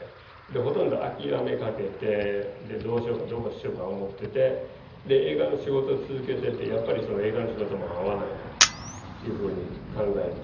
ほとんど諦めかけてどうしようかどうしようか思っててで映画の仕事を続けててやっぱり映画の仕事も合わないなというふうに考えて。